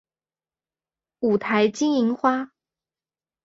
五台金银花